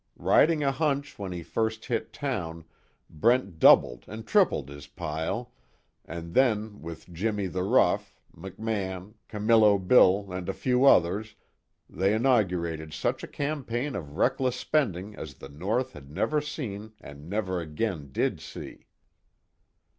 Riding a hunch when he first hit town Brent doubled and trebled his pile, and then with Jimmie the Rough, McMann, Camillo Bill and a few others they inaugurated such a campaign of reckless spending as the North had never seen and never again did see.